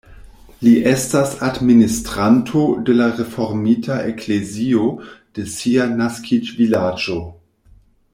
Li estas administranto de la reformita eklezio de sia naskiĝvilaĝo.